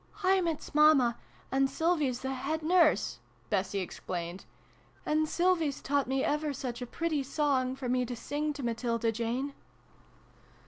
" I'm its Mamma, and Sylvie's the Head Nurse," Bessie explained : "and Sylvie's taught me ever such a pretty song, for me to sing to Matilda Jane